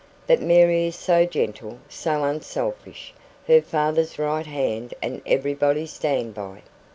But Mary is so gentle, so unselfish her father's right hand, and everybody's stand by."